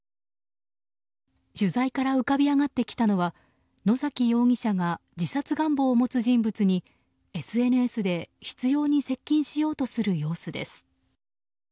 取材から浮かび上がってきたのは野崎容疑者が自殺願望を持つ人物にＳＮＳで執拗に接近しようとする様子です。